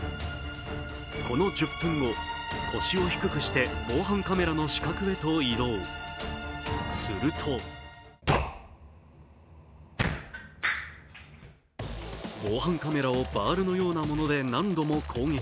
この１０分後、腰を低くして防犯カメラの死角へと移動、すると防犯カメラをバールのようなもので何度も攻撃。